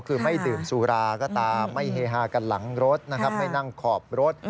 คือไม่ดื่มสุราก็ตามไม่เฮฮากันหลังรถนะครับไม่นั่งขอบรถ